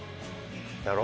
だろ？